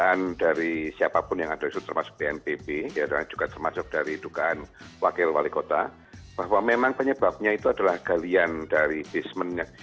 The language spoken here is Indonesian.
tadi ada pembahasan dari siapapun yang ada itu termasuk pnpb ya juga termasuk dari dugaan wakil wali kota bahwa memang penyebabnya itu adalah galian dari basement